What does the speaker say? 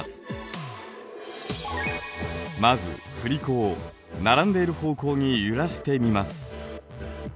まず振り子を並んでいる方向に揺らしてみます。